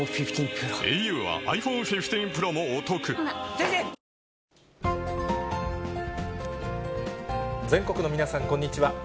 ペイトク全国の皆さん、こんにちは。